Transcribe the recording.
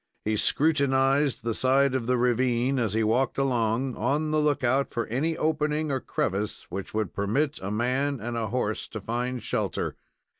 He scrutinized the side of the ravine as he walked along, on the lookout for any opening or crevice which would permit a man and a horse to find shelter.